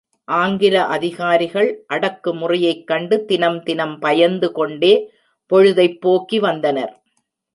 ஆங்கில அதிகாரிகள் அடக்குமுறையைக் கண்டு தினம் தினம் பயந்து கொண்டே பொழுதைப் போக்கி வந்தனர்.